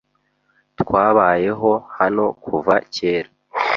Twabayeho hano kuva kera.